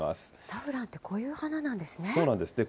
サフランってこういう花なんですね。